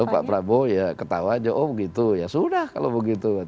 pak prabowo ya ketawa aja oh begitu ya sudah kalau begitu